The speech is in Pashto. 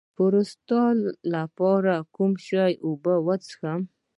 د پروستات لپاره د کوم شي اوبه وڅښم؟